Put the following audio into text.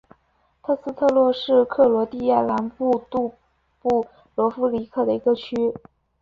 特斯特诺是克罗地亚南部杜布罗夫尼克的一个区。